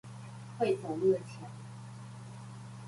會走路的錢